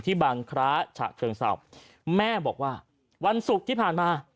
ที่บางคลาชเกิงสาวแม่บอกว่าวันศุกร์ที่ผ่านมา